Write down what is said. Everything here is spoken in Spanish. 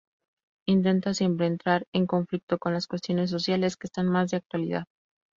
Intenta siempre entrar en conflicto con las cuestiones sociales que están más de actualidad.